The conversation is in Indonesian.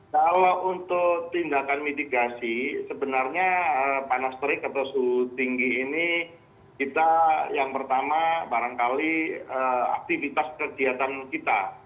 kalau untuk tindakan mitigasi sebenarnya panas terik atau suhu tinggi ini kita yang pertama barangkali aktivitas kegiatan kita